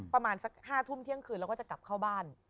ประมาณสัก๕ทุ่มเที่ยงคืนแล้วก็จะกลับเข้าบ้าน